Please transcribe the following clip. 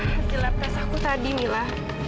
hasil lab test aku tadi mila